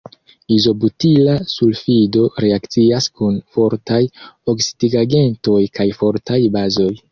Izobutila sulfido reakcias kun fortaj oksidigagentoj kaj fortaj bazoj.